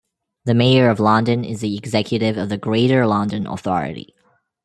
The Mayor of London is the executive of the Greater London Authority.